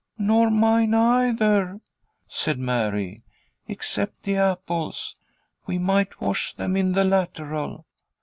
"Nor mine, either," said Mary, "except the apples. We might wash them in the lateral."